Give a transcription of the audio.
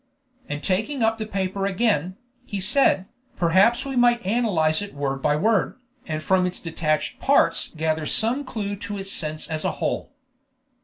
And taking up the paper again, he said, "Perhaps we might analyze it word by word, and from its detached parts gather some clue to its sense as a whole."